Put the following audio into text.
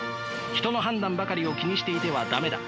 人の判断ばかりを気にしていては駄目だ。